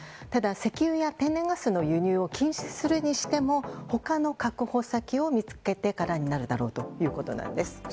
ただ石油や天然ガスの輸入を禁止するにしても他の確保先を見つけてからになるだろうということです。